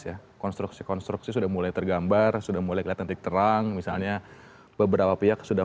ya konstruksi konstruksi sudah mulai tergambar sudah mulai ketik terang misalnya beberapa pihak